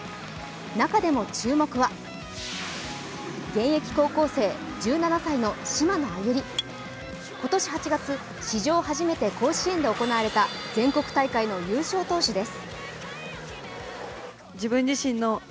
中でも注目は、現役高校生、１７歳の島野愛友利、今年８月、史上初めて甲子園で行われた全国大会の優勝投手です。